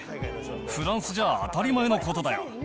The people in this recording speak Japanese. フランスじゃ当たり前のことだよ。